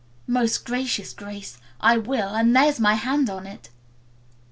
"Most Gracious Grace, I will, and there's my hand on it."